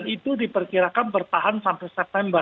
itu diperkirakan bertahan sampai september